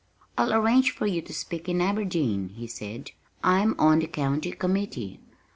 "I'll arrange for you to speak in Aberdeen," he said. "I'm on the County Committee."